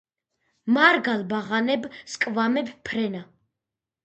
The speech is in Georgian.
მარგალ ბაღანებ სკვამეფ რენა